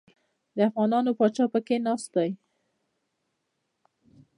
د افغانانو پاچا پکښې ناست دی.